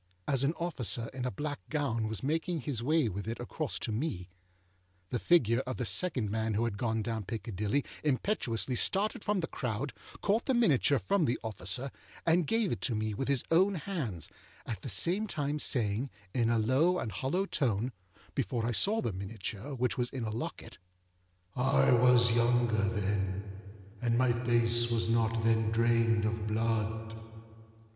As an officer in a black gown was making his way with it across to me, the figure of the second man who had gone down Piccadilly impetuously started from the crowd, caught the miniature from the officer, and gave it to me with his own hands, at the same time saying, in a low and hollow tone, âbefore I saw the miniature, which was in a locket, ââ_I was younger then_, and my face was not then drained of blood.